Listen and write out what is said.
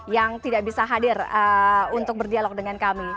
yang tidak bisa hadir untuk berdialog dengan kami